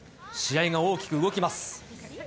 試合が大きく動きます。